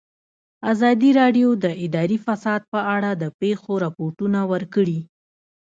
ازادي راډیو د اداري فساد په اړه د پېښو رپوټونه ورکړي.